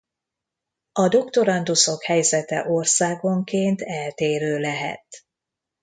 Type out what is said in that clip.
A doktoranduszok helyzete országonként eltérő lehet.